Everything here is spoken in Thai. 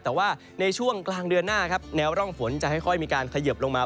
แต่ว่าในช่วงกลางเดือนหน้าครับแนวร่องฝนจะค่อยมีการเขยิบลงมา